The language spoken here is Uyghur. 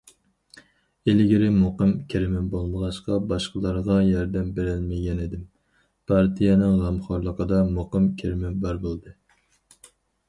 ئىلگىرى مۇقىم كىرىمىم بولمىغاچقا، باشقىلارغا ياردەم بېرەلمىگەنىدىم، پارتىيەنىڭ غەمخورلۇقىدا مۇقىم كىرىمىم بار بولدى.